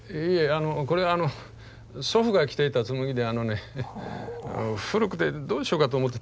あのこれあの祖父が着ていた紬であのね古くてどうしようかと思ってたんですよ。